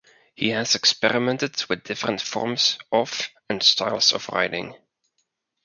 He has experimented with different forms of and styles of writing.